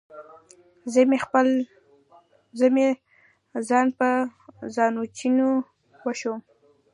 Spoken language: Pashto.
زه مې ځان په ځانوچوني وچوم